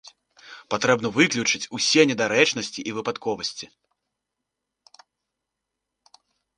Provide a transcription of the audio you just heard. Патрэбна выключыць усе недарэчнасці і выпадковасці.